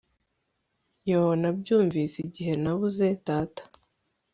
yoo! nabyumvise, igihe nabuze data